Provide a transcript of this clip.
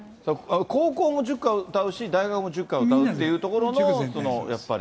高校も塾歌を歌うし、大学も塾歌歌うというところの、やっぱり。